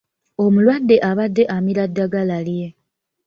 Omulwadde abadde amira ddagala lye.